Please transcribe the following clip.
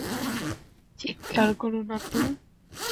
চিৎকার করো না তো।